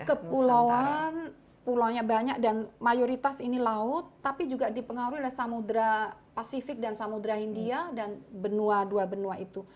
kepulauan pulaunya banyak dan mayoritas ini laut tapi juga dipengaruhi oleh samudera pasifik dan samudera india dan benua dua benua itu